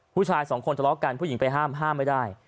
ผู้ชายสองคนทะเลาะกันผู้หญิงไปห้ามห้ามไม่ได้